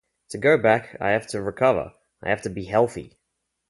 To go back, I have to recover, I have to be healthy.